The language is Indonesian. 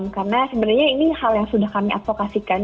karena sebenarnya ini hal yang sudah kami advokasikan